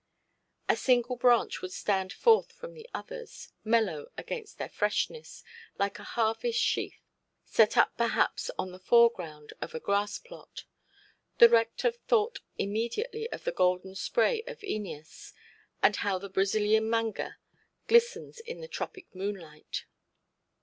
A single branch would stand forth from the others, mellow against their freshness, like a harvest–sheaf set up perhaps on the foreground of a grass–plot. The rector thought immediately of the golden spray of Æneas, and how the Brazilian manga glistens in the tropic moonlight.